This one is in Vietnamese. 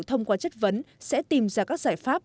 thông qua chất vấn sẽ tìm ra các giải pháp